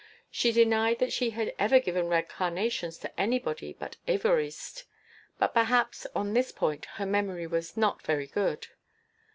She denied she had ever given red carnations to anybody but Évariste; but perhaps, on this point, her memory was not very good.